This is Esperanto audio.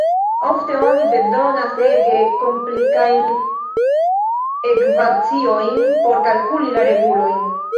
Ofte oni bezonas ege komplikajn ekvaciojn por kalkuli la regulojn.